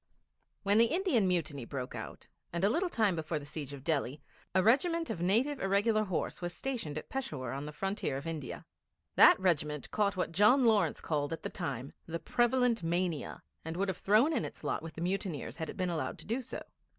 When the Indian Mutiny broke out, and a little time before the siege of Delhi, a regiment of Native Irregular Horse was stationed at Peshawur on the Frontier of India. That regiment caught what John Lawrence called at the time 'the prevalent mania,' and would have thrown in its lot with the mutineers had it been allowed to do so.